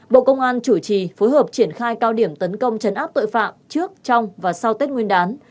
bộ công an chủ trì phối hợp triển khai cao điểm tấn công chấn áp tội phạm trước trong và sau tết nguyên đán